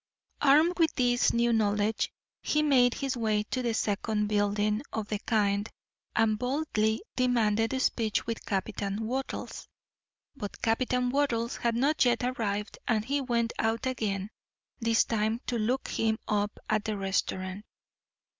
Armed with this new knowledge, he made his way to the second building of the kind and boldly demanded speech with Captain Wattles. But Captain Wattles had not yet arrived and he went out again this time to look him up at the restaurant.